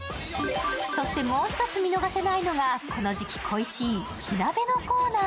そしてもう一つ見逃せないのが、この時期恋しい火鍋のコーナー。